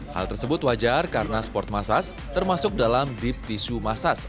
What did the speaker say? hal tersebut wajar karena sport massage termasuk dalam deep tissue massage